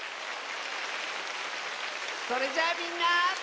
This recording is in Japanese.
それじゃあみんな。